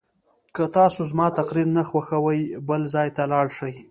که تاسو زما تقریر نه خوښوئ بل ځای ته لاړ شئ.